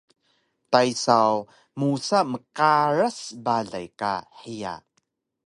Tay saw musa mqaras balay ka hiya